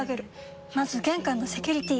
まず玄関のセキュリティ！